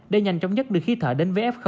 để nhanh chóng nhất đưa khí thở đến với f